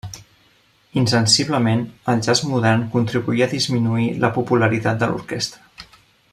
Insensiblement el jazz modern contribuí a disminuir la popularitat de l'orquestra.